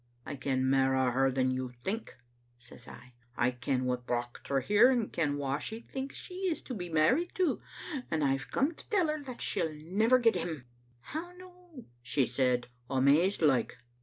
"'I ken mairo' her than you think,' says I; 'I ken what brocht her here, and ken wha she thinks she is to be married to, and I've come to tell her that she'll never get him. ' "'How no?' she said, amazed like.